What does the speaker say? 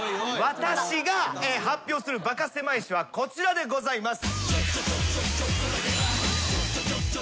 私が発表するバカせまい史はこちらでございます。